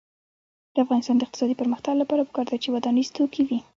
د افغانستان د اقتصادي پرمختګ لپاره پکار ده چې ودانیز توکي وي.